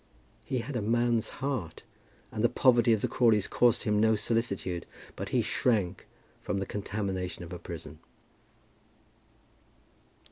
He had a man's heart, and the poverty of the Crawleys caused him no solicitude. But he shrank from the contamination of a prison.